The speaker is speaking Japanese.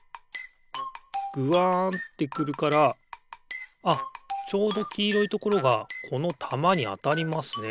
ぐわんってくるからあっちょうどきいろいところがこのたまにあたりますね。